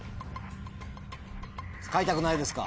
使いたくないですか？